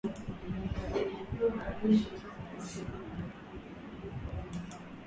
Punda yake inakufa na njala